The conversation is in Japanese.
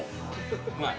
うまい？